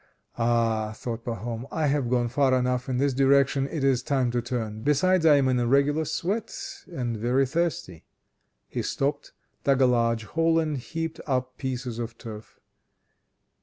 "Ah," thought Pahom, "I have gone far enough in this direction, it is time to turn. Besides I am in a regular sweat, and very thirsty." He stopped, dug a large hole, and heaped up pieces of turf.